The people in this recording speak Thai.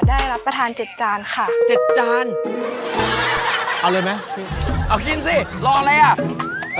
ได้รับประทานเจ็ดจานค่ะเจ็ดจานเอาเลยไหมเอากินสิรออะไรอ่ะ